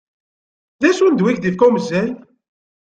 D acu n ddwa i k-d-ifka umejjay?